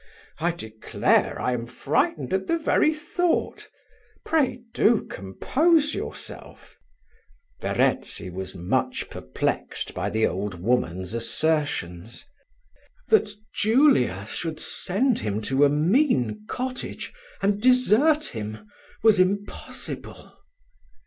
I declare I am frightened at the very thought: pray do compose yourself." Verezzi was much perplexed by the old woman's assertions. That Julia should send him to a mean cottage, and desert him, was impossible.